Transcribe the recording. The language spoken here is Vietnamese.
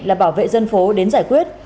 là bảo vệ dân phố đến giải quyết